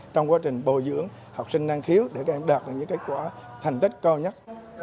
trong quá trình bồi dưỡng học sinh năng khiếu để các em đạt được những kết quả thành tích cao nhất